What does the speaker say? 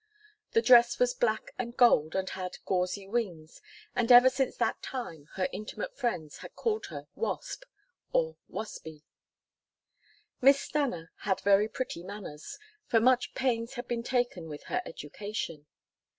The dress was black and gold and had gauzy wings, and ever since that time her intimate friends had called her "Wasp" or "Waspie." Miss Stanna had very pretty manners, for much pains had been taken with her education.